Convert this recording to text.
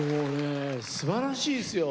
すばらしいですよ！